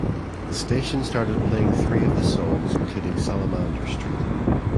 The station started playing three of his songs including Salamander Street.